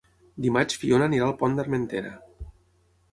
Dimarts na Fiona anirà al Pont d'Armentera.